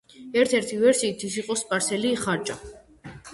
ერთ-ერთი ვერსიით ის იყო სპარსელი ხარჭა.